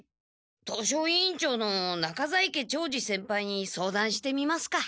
図書委員長の中在家長次先輩に相談してみますか。